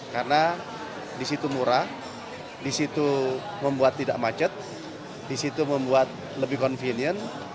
karena di situ murah di situ membuat tidak macet di situ membuat lebih convenient